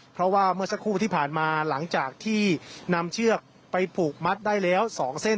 เพราะว่าเมื่อสักครู่ที่ผ่านมาหลังจากที่นำเชือกไปผูกมัดได้แล้ว๒เส้น